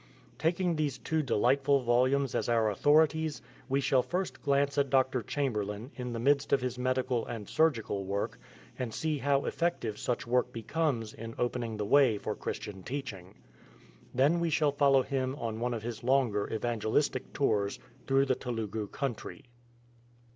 Taking these two delightful volumes as our authorities, we shall first glance at Dr. Chamberlain in the midst of his medical and surgical work, and see how effective such work becomes in opening the way for Christian teaching. Then we shall follow him on one of his longer evangelistic tours through the Telugu country.